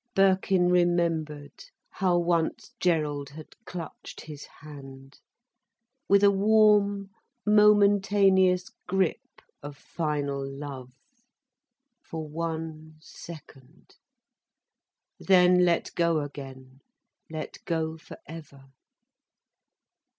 Birkin remembered how once Gerald had clutched his hand, with a warm, momentaneous grip of final love. For one second—then let go again, let go for ever.